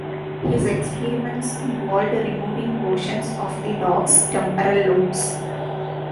His experiments involved removing portions of the dogs' temporal lobes.